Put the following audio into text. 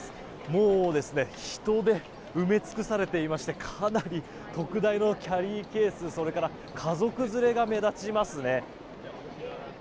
もう人で埋め尽くされていましてかなり特大のキャリーケースそれから、家族連れが目立ちますね。